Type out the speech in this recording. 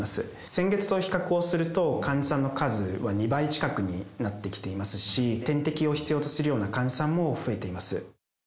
先月と比較をすると、患者さんの数は２倍近くになってきていますし、点滴を必要とするような患者さんも増えています。